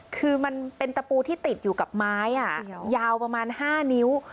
คือมันเป็นตะปูที่ติดอยู่กับไม้ยาวประมาณ๕นิ้ว